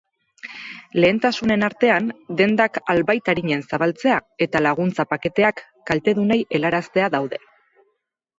Lehentasunen artean, dendak albait arinen zabaltzea eta laguntza paketeak kaltedunei helaraztea daude.